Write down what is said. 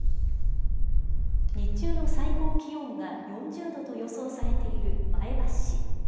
日中の最高気温が４０度と予想されている前橋市。